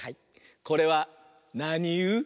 これはなに「う」？